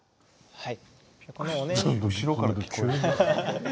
はい。